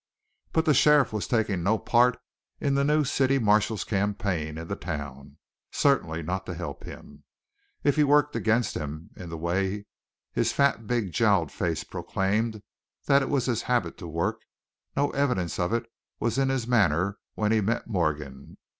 But the sheriff was taking no part in the new city marshal's campaign in the town, certainly not to help him. If he worked against him in the way his fat, big jowled face proclaimed that it was his habit to work, no evidence of it was in his manner when he met Morgan.